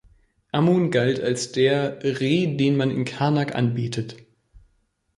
Amun galt als der „Re, den man in Karnak anbetet“.